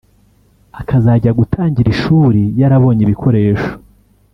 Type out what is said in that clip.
akazajya gutangira ishuri yarabonye ibikoresho”